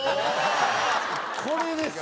これです。